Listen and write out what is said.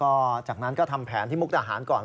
พอจากนั้นทำแผนที่มุกด่าหาร่วง